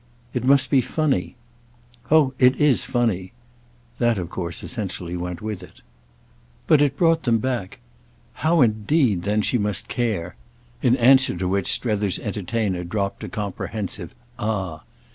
"It must be funny." "Oh it is funny." That of course essentially went with it. But it brought them back. "How indeed then she must care!" In answer to which Strether's entertainer dropped a comprehensive "Ah!"